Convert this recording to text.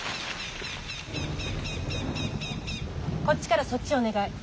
こっちからそっちお願い。